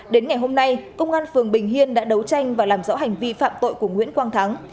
đến ngày hôm nay công an phường bình hiên đã đấu tranh và làm rõ hành vi phạm tội của nguyễn quang thắng